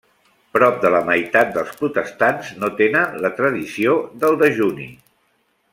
Prop de la meitat dels protestants no tenen la tradició del dejuni.